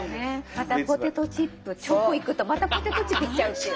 またポテトチップチョコいくとまたポテトチップいっちゃうっていう。